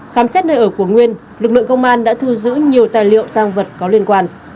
khám xét nơi ở của nguyên lực lượng công an đã thu giữ nhiều tài liệu tăng vật có liên quan